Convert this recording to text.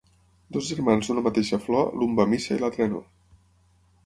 Dos germans d'una mateixa flor, l'un va a missa i l'altre no.